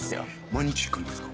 毎日行くんですか？